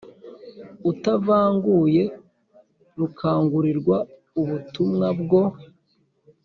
atavanguye rukangurirwa ubutumwa bwo